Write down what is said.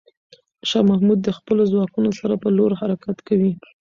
شاه محمود د خپلو ځواکونو سره پر لور حرکت کوي.